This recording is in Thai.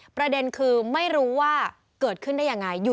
ประเด็นคือไม่รู้ว่าเกิดขึ้นได้ยังไง